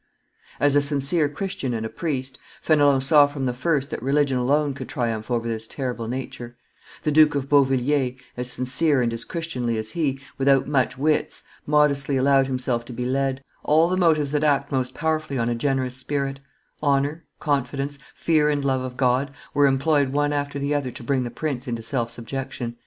As a sincere Christian and a priest, Fenelon saw from the first that religion alone could triumph over this terrible nature; the Duke of Beauvilliers, as sincere and as christianly as he, without much wits, modestly allowed himself to be led; all the motives that act most powerfully on a generous spirit, honor, confidence, fear and love of God, were employed one after the other to bring the prince into self subjection.